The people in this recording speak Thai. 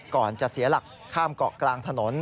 ก่อนจะเสียหลักข้ามเกาะกลางถนน